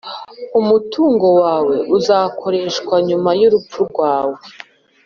Umutungo Wawe Uzakoreshwa Nyuma Y Urupfu Rwawe